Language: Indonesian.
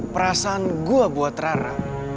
pertahanku buat rara